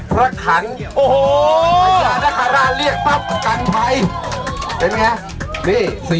พระยานคาราต์เรียกปั๊บอัฟตัวกันพัย